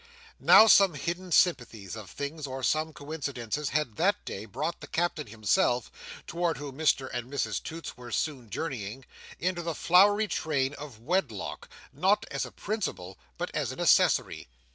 Now some hidden sympathies of things, or some coincidences, had that day brought the Captain himself (toward whom Mr and Mrs Toots were soon journeying) into the flowery train of wedlock; not as a principal, but as an accessory.